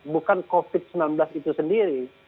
bukan covid sembilan belas itu sendiri